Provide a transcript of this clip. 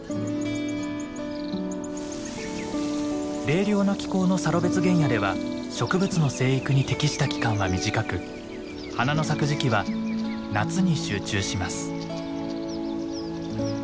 冷涼な気候のサロベツ原野では植物の生育に適した期間は短く花の咲く時期は夏に集中します。